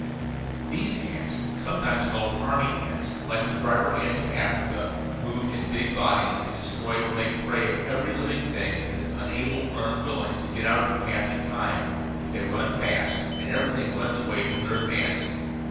These ants, sometimes called army ants, like the driver ants of Africa, move in big bodies and destroy or make prey of every living thing that is unable or unwilling to get out of their path in time. They run fast, and everything runs away from their advance.